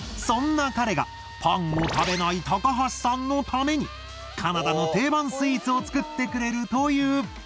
そんな彼がパンを食べない高橋さんのためにカナダの定番スイーツを作ってくれるという。